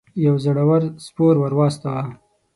یو زړه ور سپور ور واستاوه.